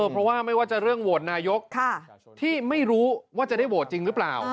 เพราะว่าไม่ว่าจะเรื่องโหวตนายกที่ไม่รู้ว่าจะได้โหวตจริงหรือเปล่า